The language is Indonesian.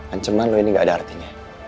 ancaman loh ini gak ada artinya